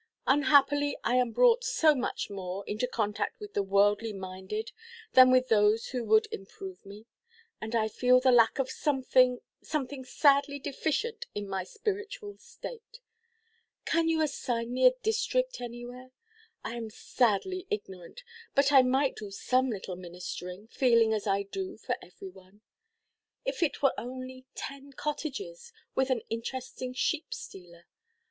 Unhappily, I am brought so much more into contact with the worldly–minded, than with those who would improve me, and I feel the lack of something, something sadly deficient in my spiritual state. Could you assign me a district anywhere? I am sadly ignorant, but I might do some little ministering, feeling as I do for every one. If it were only ten cottages, with an interesting sheep–stealer!